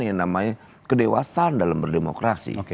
yang namanya kedewasaan dalam berdemokrasi